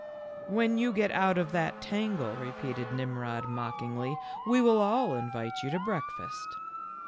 " When you get out of that tangle," repeated Nimrod mockingly, " we will all invite you to breakfast."